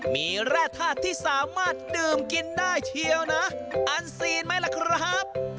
มีแร่ธาตุที่สามารถดื่มกินได้เชียวนะอันซีนไหมล่ะครับ